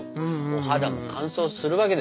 お肌も乾燥するわけですよ。